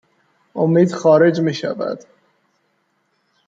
امید خارج می شود